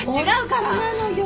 違うから！